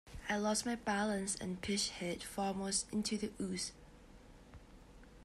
I lost my balance and pitched head foremost into the ooze.